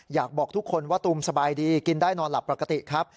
อยากบอกทุกคนว่าตูมสบายดีกินได้นอนหลับปกติครับ